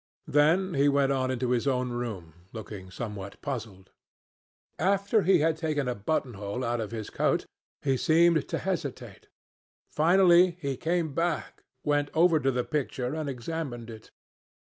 Then he went on into his own room, looking somewhat puzzled. After he had taken the button hole out of his coat, he seemed to hesitate. Finally, he came back, went over to the picture, and examined it.